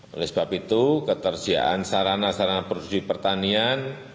oleh sebab itu ketersediaan sarana sarana produksi pertanian